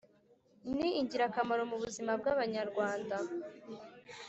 ni ingirakamaro mu buzima bw’abanyarwanda.